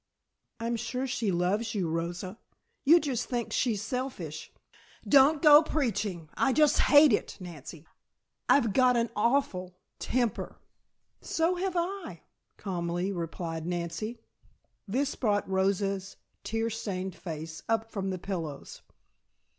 "I'm sure she loves you, Rosa. You just think she's selfish " "Don't go preaching. I just hate it, Nancy. And I've got an awful temper." "So have I," calmly replied Nancy. This brought Rosa's tear stained face up from the pillows.